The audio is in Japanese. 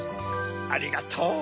ありがとう。